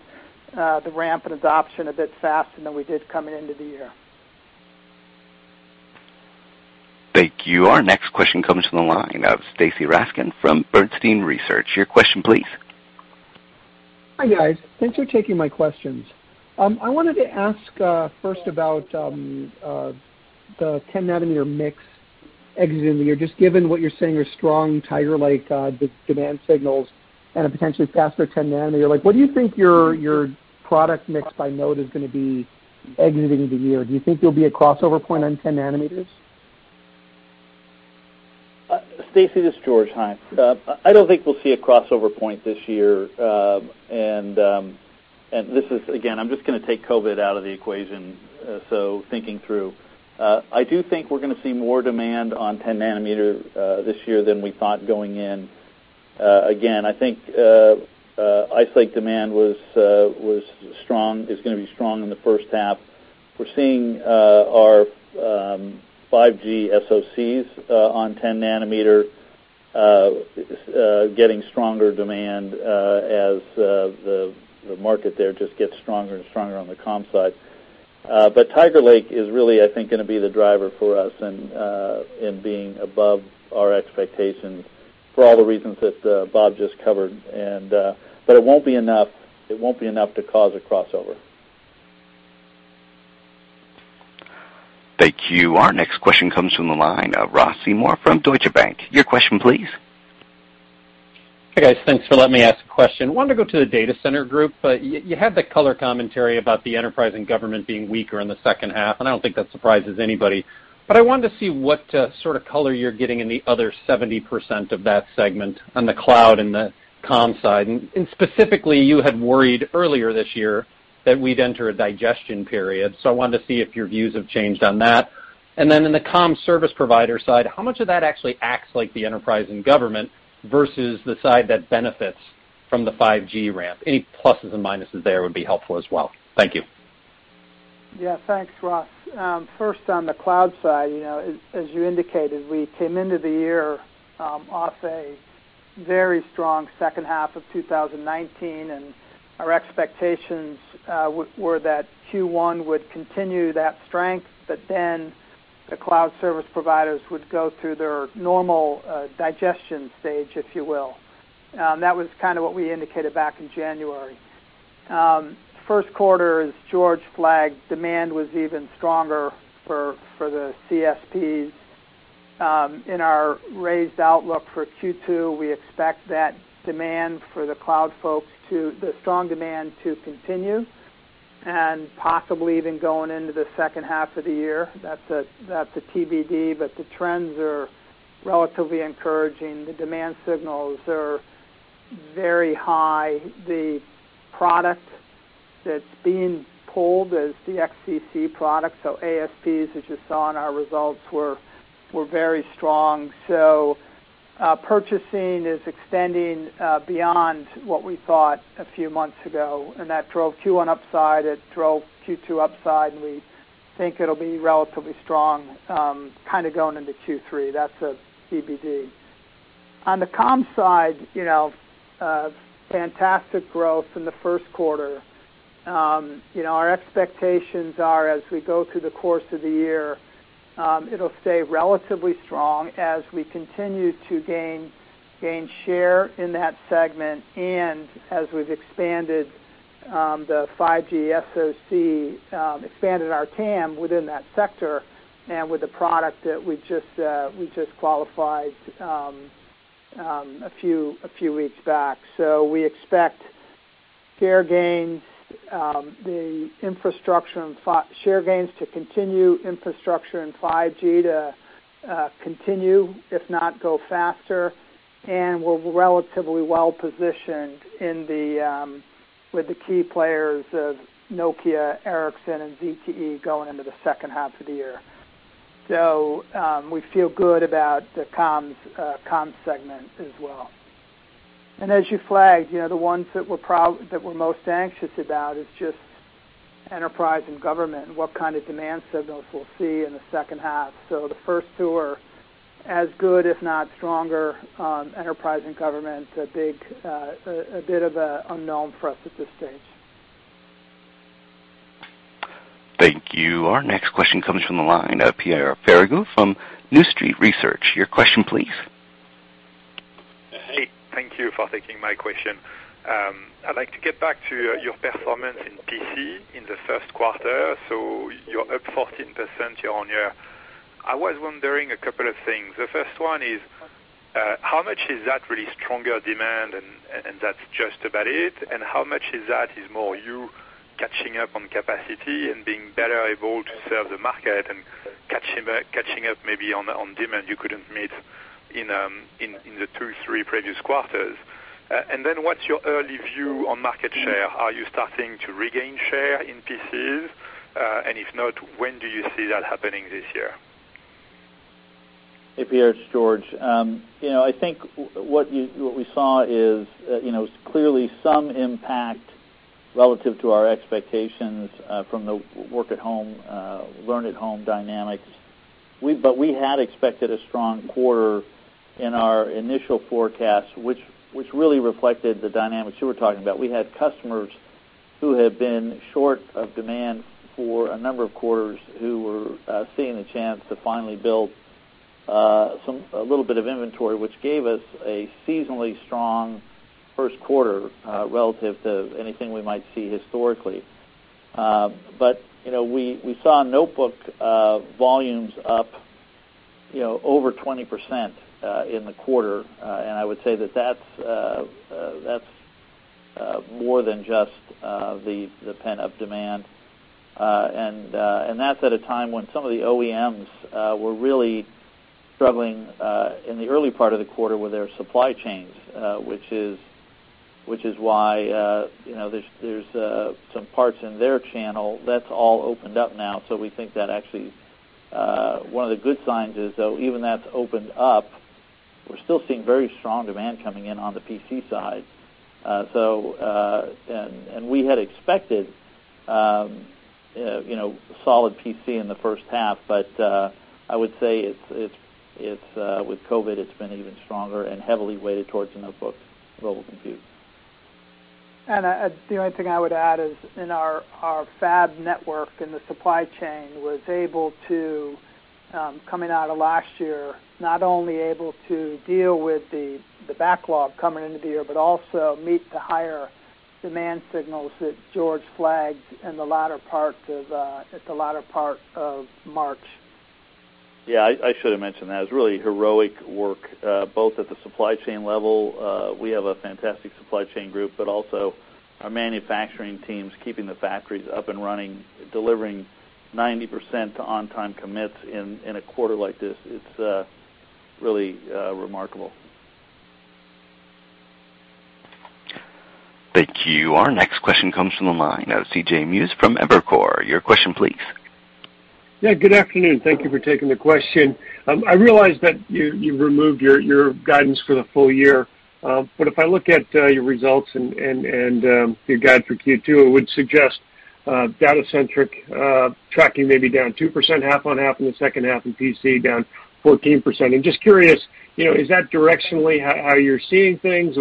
the ramp and adoption a bit faster than we did coming into the year.
Thank you. Our next question comes from the line of Stacy Rasgon from Bernstein Research. Your question, please.
Hi, guys. Thanks for taking my questions. I wanted to ask first about the 10 nanometer mix exiting the year, just given what you're saying are strong Tiger Lake demand signals and a potentially faster 10 nanometer. What do you think your product mix by node is going to be exiting the year? Do you think there'll be a crossover point on 10 nanometers?
Stacy, this is George. Hi. I don't think we'll see a crossover point this year. This is, again, I'm just going to take COVID out of the equation, so thinking through. I do think we're going to see more demand on 10 nanometer this year than we thought going in. Again, I think Ice Lake demand is going to be strong in the first half. We're seeing our 5G SOCs on 10 nanometer getting stronger demand as the market there just gets stronger and stronger on the comms side. Tiger Lake is really, I think, going to be the driver for us in being above our expectations for all the reasons that Bob just covered, but it won't be enough to cause a crossover.
Thank you. Our next question comes from the line of Ross Seymore from Deutsche Bank. Your question, please.
Hey, guys. Thanks for letting me ask a question. You had the color commentary about the enterprise and government being weaker in the second half, I don't think that surprises anybody. I wanted to see what sort of color you're getting in the other 70% of that segment on the cloud and the comm side. Specifically, you had worried earlier this year that we'd enter a digestion period, I wanted to see if your views have changed on that. In the comm service provider side, how much of that actually acts like the enterprise and government versus the side that benefits from the 5G ramp? Any pluses and minuses there would be helpful as well. Thank you.
Thanks, Ross. First, on the Cloud side, as you indicated, we came into the year off a very strong H2 of 2019, and our expectations were that Q1 would continue that strength, but then the Cloud Service Providers would go through their normal digestion stage, if you will. That was kind of what we indicated back in January. Q1, as George flagged, demand was even stronger for the CSPs. In our raised outlook for Q2, we expect that demand for the Cloud folks, the strong demand to continue, and possibly even going into the H2 of the year. That's a TBD. The trends are relatively encouraging. The demand signals are very high. The product that's being pulled is the XCC product. ASPs, as you saw in our results, were very strong. Purchasing is extending beyond what we thought a few months ago, and that drove Q1 upside, it drove Q2 upside, and we think it'll be relatively strong kind of going into Q3. That's a TBD. On the comms side, fantastic growth in the first quarter. Our expectations are, as we go through the course of the year, it'll stay relatively strong as we continue to gain share in that segment and as we've expanded the 5G SoC, expanded our TAM within that sector, and with the product that we just qualified a few weeks back. We expect share gains, the infrastructure and share gains to continue, infrastructure and 5G to continue, if not go faster, and we're relatively well-positioned with the key players of Nokia, Ericsson, and ZTE going into the second half of the year. We feel good about the comms segment as well. As you flagged, the ones that we're most anxious about is just enterprise and government and what kind of demand signals we'll see in the second half. The first two are as good if not stronger. Enterprise and government, a bit of a unknown for us at this stage.
Thank you. Our next question comes from the line of Pierre Ferragu from New Street Research. Your question, please.
Hey, thank you for taking my question. I'd like to get back to your performance in PC in the first quarter. You're up 14% year-over-year. I was wondering a couple of things. The first one is, how much is that really stronger demand and that's just about it? How much is that is more you catching up on capacity and being better able to serve the market and catching up maybe on demand you couldn't meet in the two, three previous quarters? What's your early view on market share? Are you starting to regain share in PCs? If not, when do you see that happening this year?
Hey, Pierre, it's George. I think what we saw is clearly some impact relative to our expectations from the work at home, learn at home dynamics. We had expected a strong quarter in our initial forecast, which really reflected the dynamics you were talking about. We had customers who had been short of demand for a number of quarters who were seeing a chance to finally build a little bit of inventory, which gave us a seasonally strong Q1 relative to anything we might see historically. We saw notebook volumes up over 20% in the quarter, and I would say that that's more than just the pent-up demand. That's at a time when some of the OEMs were really struggling in the early part of the quarter with their supply chains, which is why there's some parts in their channel that's all opened up now. We think that actually one of the good signs is, though, even that's opened up, we're still seeing very strong demand coming in on the PC side. We had expected solid PC in the first half, but I would say with COVID, it's been even stronger and heavily weighted towards the notebooks relative to PCs.
The only thing I would add is in our fab network in the supply chain was able to, coming out of last year, not only able to deal with the backlog coming into the year, but also meet the higher demand signals that George flagged at the latter part of March.
Yeah, I should have mentioned that. It was really heroic work, both at the supply chain level. We have a fantastic supply chain group, but also our manufacturing teams keeping the factories up and running, delivering 90% on-time commits in a quarter like this. It's really remarkable.
Thank you. Our next question comes from the line of CJ Muse from Evercore. Your question, please.
Yeah, good afternoon. Thank you for taking the question. I realize that you removed your guidance for the full year, but if I look at your results and your guide for Q2, it would suggest data-centric tracking may be down 2%, half on half in the second half, and PC down 14%. I'm just curious, is that directionally how you're seeing things?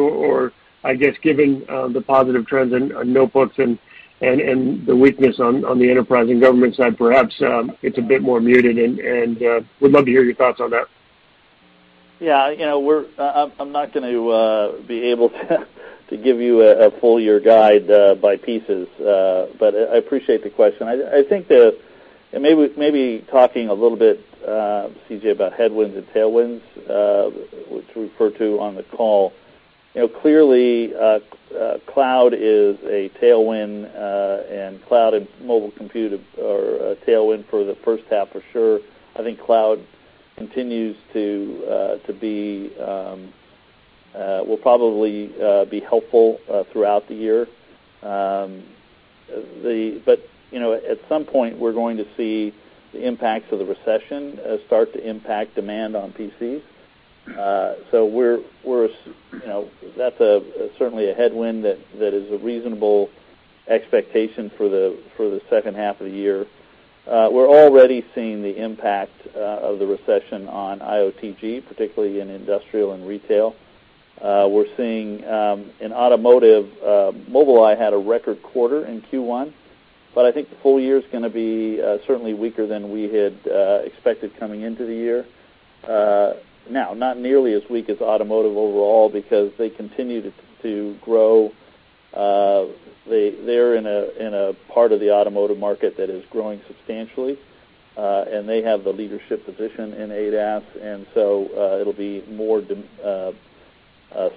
I guess, given the positive trends in notebooks and the weakness on the enterprise and government side, perhaps it's a bit more muted, and would love to hear your thoughts on that.
I'm not going to be able to give you a full year guide by pieces, but I appreciate the question. I think that maybe talking a little bit, CJ, about headwinds and tailwinds, which we refer to on the call. Clearly, cloud is a tailwind, and cloud and mobile compute are a tailwind for the first half for sure. I think cloud will probably be helpful throughout the year. At some point, we're going to see the impacts of the recession start to impact demand on PCs. That's certainly a headwind that is a reasonable expectation for the second half of the year. We're already seeing the impact of the recession on IOTG, particularly in industrial and retail. We're seeing in automotive, Mobileye had a record quarter in Q1. I think the full year's going to be certainly weaker than we had expected coming into the year. Not nearly as weak as automotive overall because they continue to grow. They're in a part of the automotive market that is growing substantially, and they have the leadership position in ADAS, and so it'll be more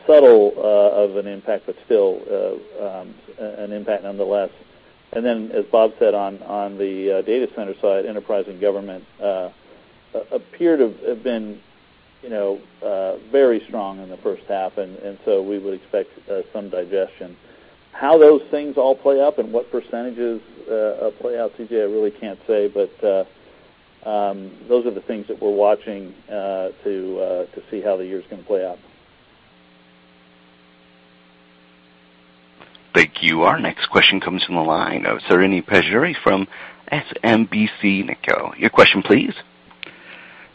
subtle of an impact, but still an impact nonetheless. As Bob said, on the data center side, enterprise and government appear to have been very strong in the first half. We would expect some digestion. How those things all play out and what percentages play out, CJ, I really can't say. Those are the things that we're watching to see how the year's going to play out.
Thank you. Our next question comes from the line of Srini Pajjuri from SMBC Nikko. Your question, please.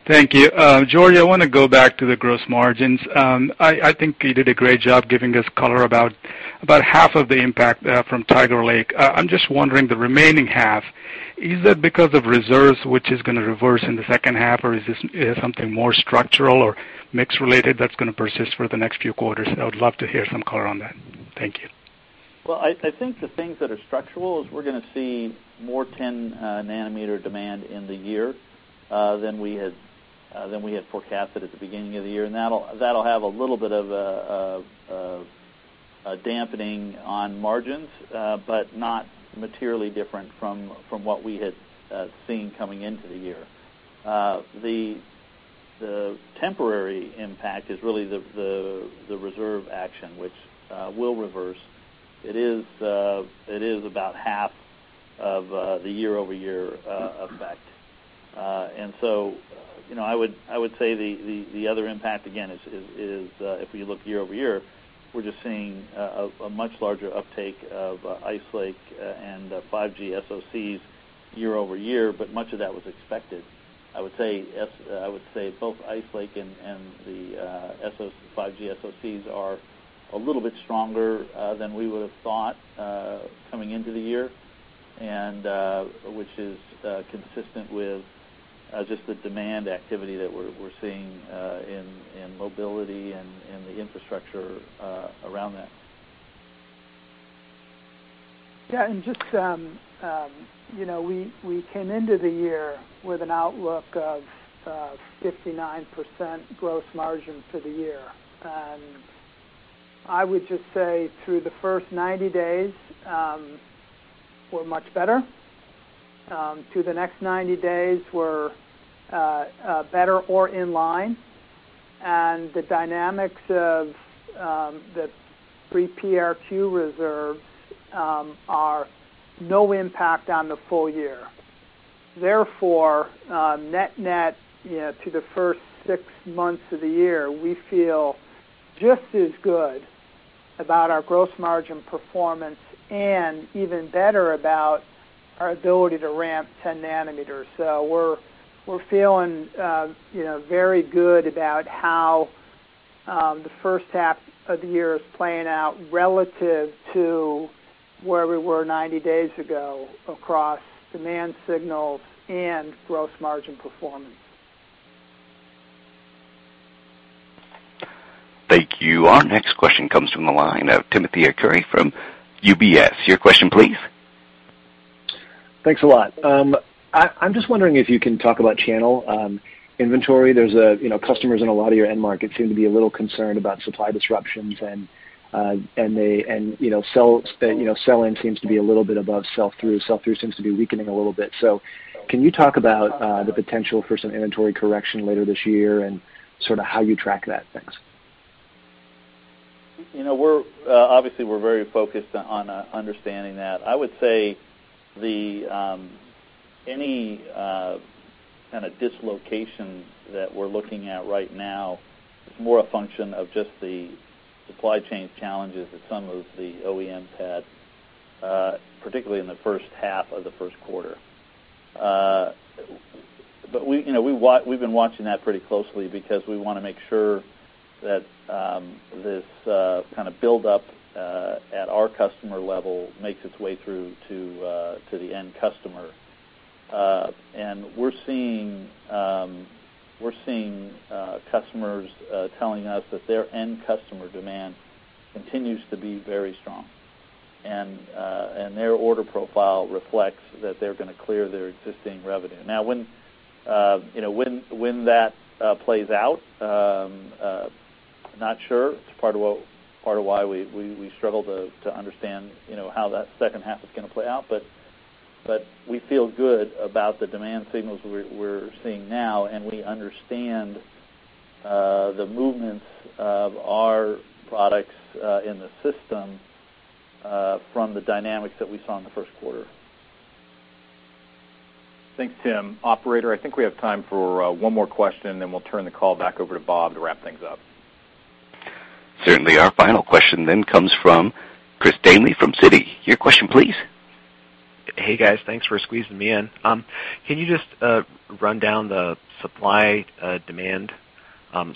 Thank you. George, I want to go back to the gross margins. I think you did a great job giving us color about half of the impact from Tiger Lake. I'm just wondering, the remaining half, is that because of reserves, which is going to reverse in the second half, or is this something more structural or mix-related that's going to persist for the next few quarters? I would love to hear some color on that. Thank you.
I think the things that are structural is we're going to see more 10 nanometer demand in the year than we had forecasted at the beginning of the year, and that'll have a little bit of a dampening on margins, but not materially different from what we had seen coming into the year. The temporary impact is really the reserve action, which will reverse. It is about half of the year-over-year effect. I would say the other impact, again, is if we look year-over-year, we're just seeing a much larger uptake of Ice Lake and 5G SOCs year-over-year, but much of that was expected. I would say both Ice Lake and the 5G SOCs are a little bit stronger than we would've thought coming into the year, which is consistent with just the demand activity that we're seeing in mobility and the infrastructure around that.
Yeah. We came into the year with an outlook of 59% gross margin for the year. I would just say through the first 90 days, we're much better. Through the next 90 days, we're better or in line. The dynamics of the pre-PRQ reserves are no impact on the ful-year. Therefore, net net, to the first six months of the year, we feel just as good about our gross margin performance and even better about our ability to ramp 10 nanometers. We're feeling very good about how the first half of the year is playing out relative to where we were 90 days ago across demand signals and gross margin performance.
Thank you. Our next question comes from the line of Timothy Arcuri from UBS. Your question, please.
Thanks a lot. I'm just wondering if you can talk about channel inventory. Customers in a lot of your end markets seem to be a little concerned about supply disruptions, and sell-in seems to be a little bit above sell-through. Sell-through seems to be weakening a little bit. Can you talk about the potential for some inventory correction later this year and sort of how you track that? Thanks.
Obviously, we're very focused on understanding that. I would say any kind of dislocations that we're looking at right now, it's more a function of just the supply chain challenges that some of the OEMs had, particularly in the first half of the Q1. We've been watching that pretty closely because we want to make sure that this kind of build-up at our customer level makes its way through to the end customer. We're seeing customers telling us that their end customer demand continues to be very strong, and their order profile reflects that they're going to clear their existing revenue. When that plays out, I'm not sure. It's part of why we struggle to understand how that second half is going to play out. We feel good about the demand signals we're seeing now, and we understand the movements of our products in the system from the dynamics that we saw in the Q1.
Thanks, Tim. Operator, I think we have time for one more question, then we'll turn the call back over to Bob to wrap things up.
Certainly. Our final question then comes from Chris Danely from Citi. Your question, please.
Hey, guys. Thanks for squeezing me in. Can you just run down the supply-demand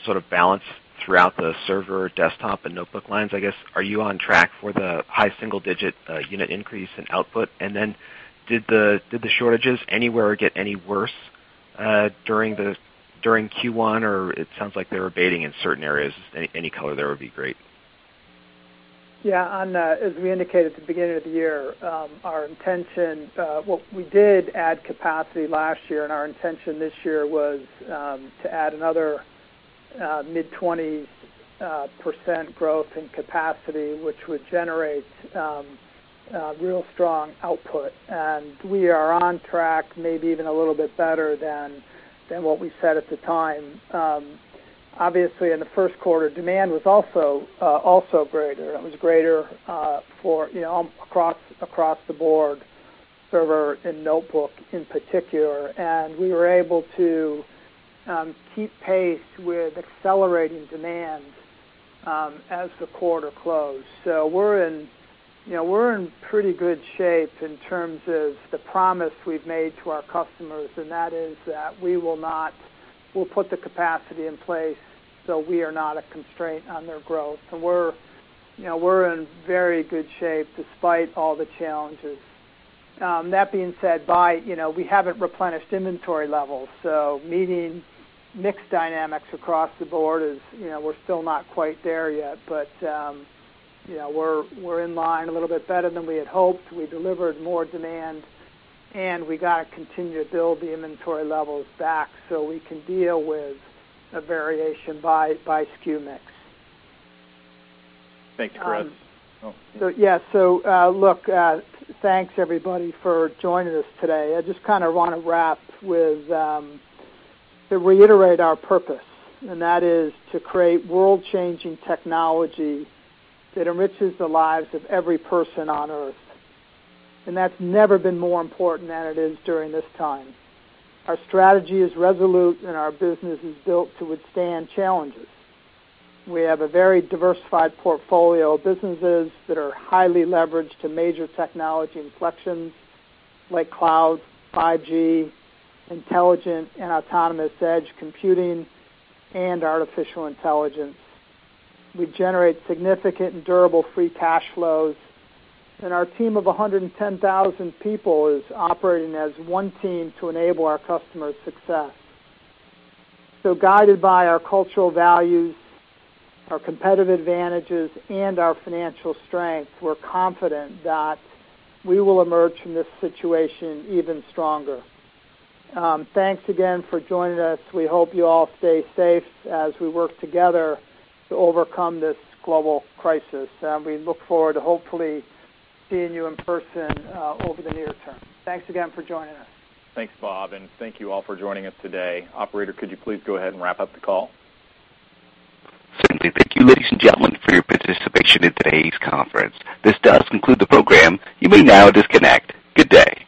sort of balance throughout the server, desktop, and notebook lines, I guess? Are you on track for the high single-digit unit increase in output? Did the shortages anywhere get any worse during Q1, or it sounds like they were abating in certain areas. Any color there would be great.
Yeah, on that, as we indicated at the beginning of the year, we did add capacity last year, and our intention this year was to add another mid-20% growth in capacity, which would generate real strong output. We are on track, maybe even a little bit better than what we said at the time. Obviously, in the Q1, demand was also greater. It was greater across the board, server and notebook in particular, and we were able to keep pace with accelerating demand as the quarter closed. We're in pretty good shape in terms of the promise we've made to our customers, and that is that we'll put the capacity in place so we are not a constraint on their growth. We're in very good shape despite all the challenges. That being said, we haven't replenished inventory levels, meeting mix dynamics across the board, we're still not quite there yet. We're in line a little bit better than we had hoped. We delivered more demand, we got to continue to build the inventory levels back so we can deal with a variation by SKU mix.
Thanks, Chris.
Look, thanks everybody for joining us today. I just kind of want to reiterate our purpose, and that is to create world-changing technology that enriches the lives of every person on Earth. That's never been more important than it is during this time. Our strategy is resolute, and our business is built to withstand challenges. We have a very diversified portfolio of businesses that are highly leveraged to major technology inflections like cloud, 5G, intelligent and autonomous edge computing, and artificial intelligence. We generate significant and durable free cash flows, and our team of 110,000 people is operating as one team to enable our customers' success. Guided by our cultural values, our competitive advantages, and our financial strength, we're confident that we will emerge from this situation even stronger. Thanks again for joining us. We hope you all stay safe as we work together to overcome this global crisis. We look forward to hopefully seeing you in person over the near term. Thanks again for joining us.
Thanks, Bob, and thank you all for joining us today. Operator, could you please go ahead and wrap up the call?
Certainly. Thank you, ladies and gentlemen, for your participation in today's conference. This does conclude the program. You may now disconnect. Good day.